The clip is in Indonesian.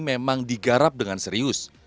memang digarap dengan serius